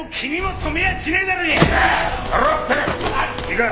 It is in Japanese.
いいか！